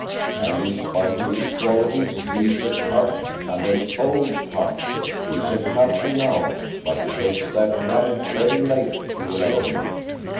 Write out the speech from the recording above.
"And in spite of his qualities he's a cub, and an old cub. He is a captain now, but he takes that rank very late, you will own.